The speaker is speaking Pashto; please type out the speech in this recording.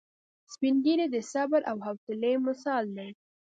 سپین ږیری د صبر او حوصلې مثال دی